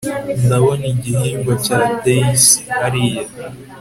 ndabona igihingwa cya daisy hariya